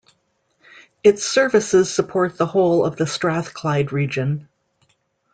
Its services support the whole of the Strathclyde region.